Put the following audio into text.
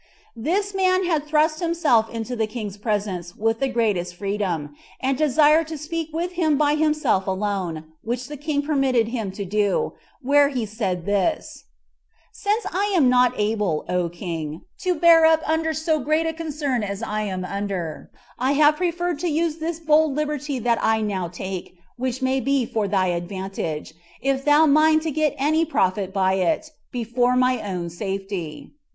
5. This man had thrust himself into the king's presence with the greatest freedom, and desired to speak with him by himself alone, which the king permitted him to do, where he said this: "Since I am not able, O king, to bear up under so great a concern as I am under, I have preferred the use of this bold liberty that I now take, which may be for thy advantage, if thou mind to get any profit by it, before my own safety.